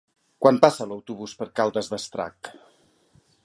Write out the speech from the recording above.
Quan passa l'autobús per Caldes d'Estrac?